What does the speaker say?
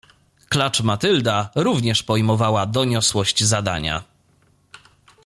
"Klacz Matylda również pojmowała doniosłość zadania."